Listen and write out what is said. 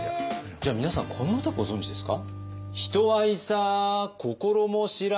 じゃあ皆さんこの歌ご存じですか？